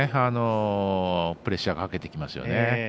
プレッシャーかけてきますよね。